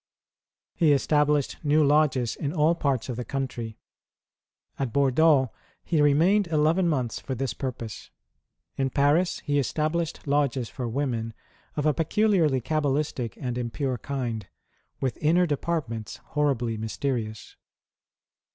He established new lodges in all parts of the country. At Bordeaux he remained eleven months for this purpose. In Paris he established lodges for women of a peculiarly cabalistic and impure kind, with inner departments horribly mysterious.